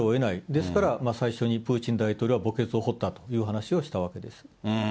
ですから、最初にプーチン大統領は墓穴を掘ったという話をしたわけです。